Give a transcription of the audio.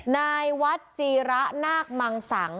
นายวัดจีระนาคมังสัง